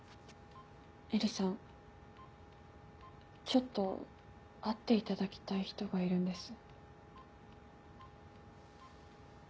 ちょっと会っていただきたい人がいるんです。